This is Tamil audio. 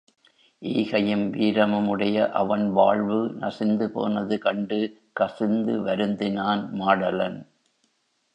ஈகையும் வீரமும் உடைய அவன் வாழ்வு நசிந்து போனது கண்டு கசிந்து வருந்தினான் மாடலன்.